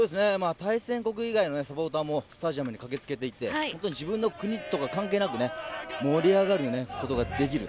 対戦国以外のサポーターもスタジアムに駆けつけていて本当に自分の国とか関係なくね盛り上がることができる。